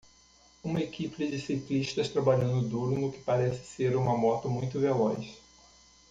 Uma equipe de ciclistas trabalhando duro no que parece ser uma moto muito veloz.